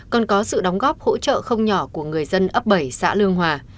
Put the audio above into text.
còn có sự đóng góp hỗ trợ không nhỏ của người dân ấp bảy xã lương hòa